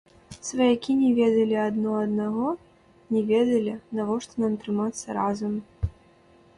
Сваякі не ведалі адно аднаго, не ведалі, навошта нам трымацца разам.